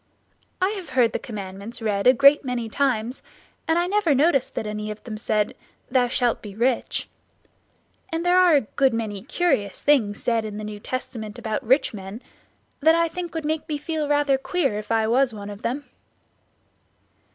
I have heard the commandments read a great many times and I never noticed that any of them said, 'Thou shalt be rich'; and there are a good many curious things said in the New Testament about rich men that I think would make me feel rather queer if I was one of them."